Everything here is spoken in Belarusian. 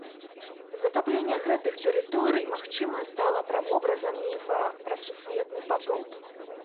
Затапленне гэтых тэрыторый, магчыма, стала правобразам міфа пра сусветны патоп.